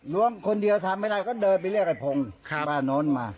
รวมคนเดียวทำไม่ได้ก็เดินไปเรียกไอ้พงศ์บ้านโน้นมา